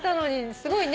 すごいね。